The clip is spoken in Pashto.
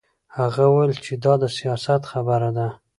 هغه وویل چې دا د سیاست خبره ده